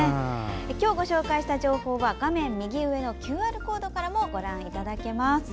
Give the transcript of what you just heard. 今日ご紹介した情報は画面右上のＱＲコードからもご覧いただけます。